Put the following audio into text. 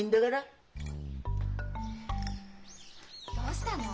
どうしたの？